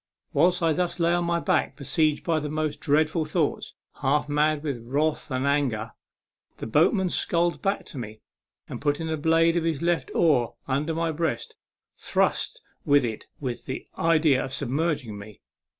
Whilst I thus lay upon my back, besieged by the most dreadful thoughts, half mad with wrath and with despair, the boatman sculled back to me, and, putting the blade of his left oar upon my breast, thrust with it with the idea of submerging me.